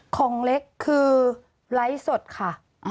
ของเล็กคือไลฟ์สดค่ะ